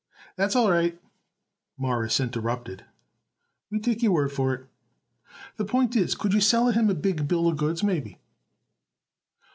"That's all right," Morris interrupted. "We take your word for it. The point is, could you sell it him a big bill of goods, maybe?"